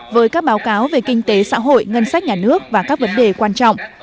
với các báo cáo về kinh tế xã hội ngân sách nhà nước và các vấn đề quan trọng